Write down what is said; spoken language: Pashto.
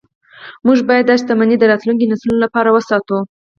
موږ باید دا شتمني د راتلونکو نسلونو لپاره وساتو